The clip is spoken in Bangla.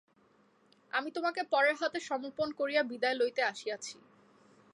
আমি তোমাকে পরের হাতে সমর্পণ করিয়া বিদায় লইতে আসিয়াছি।